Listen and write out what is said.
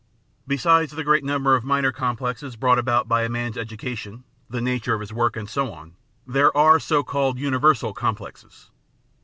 Besides the great number of minor complexes brought about by a man's education, the nature of his work, and so on, there are so called imiversal complexes.